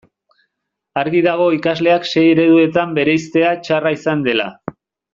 Argi dago ikasleak sei ereduetan bereiztea txarra izan dela.